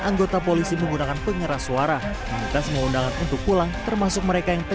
anggota polisi menggunakan pengeras suara meminta semua undangan untuk pulang termasuk mereka yang